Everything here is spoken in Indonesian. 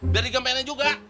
biar digempenin juga